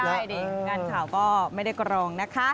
การข่าก็ไม่ได้การข่าก็ไม่ได้กรอง